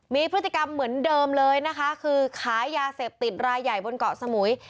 มีพฤติกรรมเหมือนเดิมเลยนะคะคือขายยาเสพติดรายใหญ่บนเกาะสมุย